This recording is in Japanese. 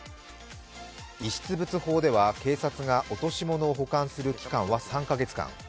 遺失物法では、警察が落とし物を保管する期間は３カ月間。